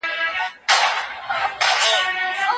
ما تېره ورځ د هیواد د خپلواکۍ په اړه یو مضمون ولیکی.